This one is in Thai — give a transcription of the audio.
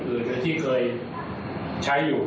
เหมือนกันจะมีคุณแจ้งคิดต่าง